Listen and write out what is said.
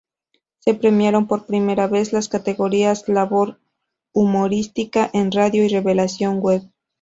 Se premiaron por primera vez las categorías "Labor humorística en radio" y "Revelación web".